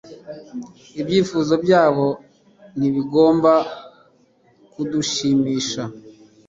Ibyifuzo byabo ntibigomba kudushimisha